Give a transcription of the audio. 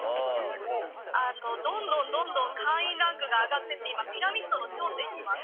どんどんどんどん会員ランクが上がっていって今ピラミッドの頂点にいます。